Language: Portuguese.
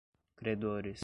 credores